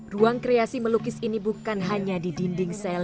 ruang kreasi melukis ini bukan hanya di dinding sel